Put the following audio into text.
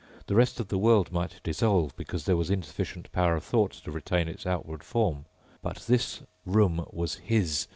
The rest of the world might dissolve because there was insufficient power of thought to retain its outward form. But this room was his.